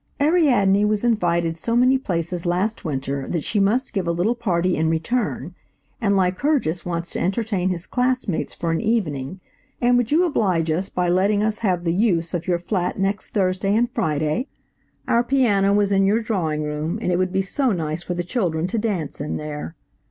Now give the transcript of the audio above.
Ariadne was invited so many places last winter, that she must give a little party in return, and Lycurgus wants to entertain his classmates for an evening, and would you oblige us by letting us have the use of your flat next Thursday and Friday? Our piano is in your dining room, and it would be so nice for the children to dance in there.